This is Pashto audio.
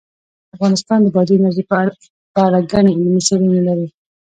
افغانستان د بادي انرژي په اړه ګڼې علمي څېړنې لري.